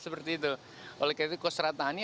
seperti itu oleh karena itu kostratani